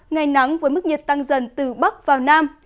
ngày nắng với mức nhiệt tăng dần từ bắc vào nam